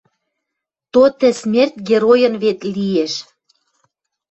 То тӹ смерть геройын вет лиэш.